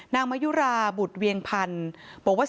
นางมะยุราบุตรเวียงพันธ์บอกว่าเสียใจกับพระเจ้าแล้วนะครับ